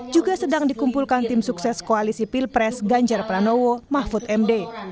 juga sedang dikumpulkan tim sukses koalisi pilpres ganjar pranowo mahfud md